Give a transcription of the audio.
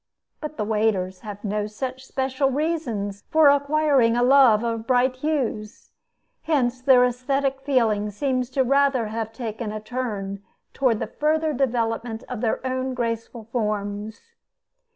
But the waders have no such special reasons for acquiring a love for bright hues. Hence their aesthetic feeling seems rather to have taken a turn toward the further development of their own graceful forms.